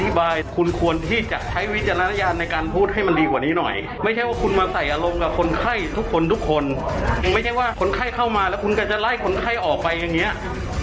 อัพเพนที่เป็นภาบรรยาบรรยาวัศนำทีแรกฉันไม่เป็นใครเลยมันเป็นตัวบรรยาศนำให้ผู้ขอบคุณค่ะ